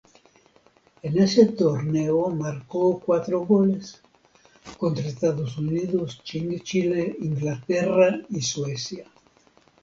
En ese torneo marcó cuatro goles, contra Estados Unidos, Chile, Inglaterra y Suecia.